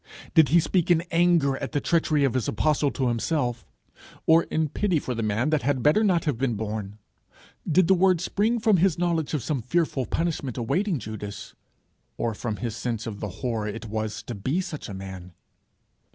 Did he speak in anger at the treachery of his apostle to himself, or in pity for the man that had better not have been born? Did the word spring from his knowledge of some fearful punishment awaiting Judas, or from his sense of the horror it was to be such a man?